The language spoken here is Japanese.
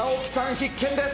必見です。